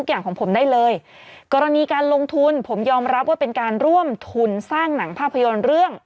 อย่างของผมได้เลยกรณีการลงทุนผมยอมรับว่าเป็นการร่วมทุนสร้างหนังภาพยนตร์เรื่อง